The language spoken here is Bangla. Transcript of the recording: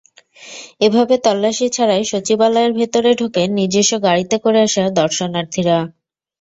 এভাবে তল্লাশি ছাড়াই সচিবালয়ের ভেতরে ঢোকেন নিজস্ব গাড়িতে করে আসা দর্শনার্থীরা।